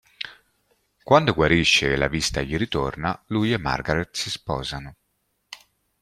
Quando guarisce e la vista gli ritorna, lui e Margaret si sposano.